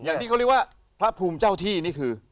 อย่างที่เขาเรียกว่าพระภูมิเจ้าที่นี่คือ